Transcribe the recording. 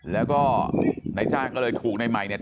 แล้วก็นายจ้างก็เลยถูกในใหม่เนี่ย